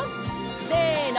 せの！